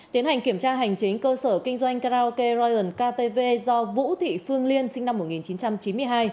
tiến hành kiểm tra hành chính cơ sở kinh doanh karaoke ryan ktv do vũ thị phương liên sinh năm một nghìn chín trăm chín mươi hai